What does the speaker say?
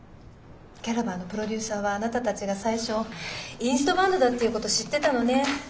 キャラバンのプロデューサーはあなたたちが最初インストバンドだっていうこと知ってたのね。